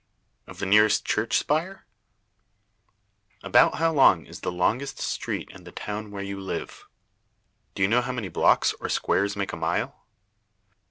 Of the nearest church spire? About how long is the longest street in the town where you live? Do you know how many blocks or squares make a mile?